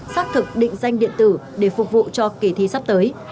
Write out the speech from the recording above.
xác thực định danh điện tử để phục vụ cho kỳ thi sắp tới